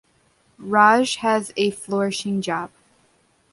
Raj has a flourishing job.